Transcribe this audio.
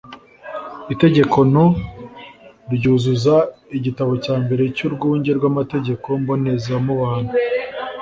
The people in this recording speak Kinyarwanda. itegeko no. ryuzuza igitabo cya mbere cy'urwunge rw'amategeko mbonezamubano